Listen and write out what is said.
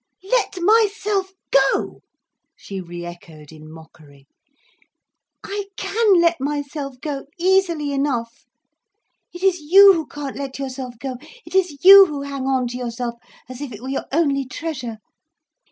"Let myself go!" she re echoed in mockery. "I can let myself go, easily enough. It is you who can't let yourself go, it is you who hang on to yourself as if it were your only treasure.